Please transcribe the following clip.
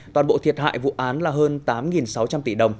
toàn bộ thiệt hại vụ án là hơn tám sáu trăm linh tỷ đồng